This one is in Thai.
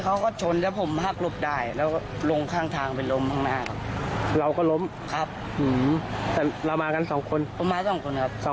ครับมาไว้ไหมมาประมาณ๖๐๘๐บาทครับ